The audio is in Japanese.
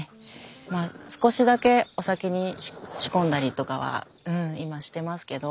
まあ少しだけお酒に仕込んだりとかは今してますけど。